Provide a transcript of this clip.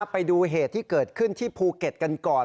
ไปดูเหตุที่เกิดขึ้นที่ภูเก็ตกันก่อน